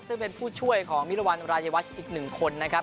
ซึ่งเป็นผู้ช่วยของมิรวรรณรายวัชอีก๑คนนะครับ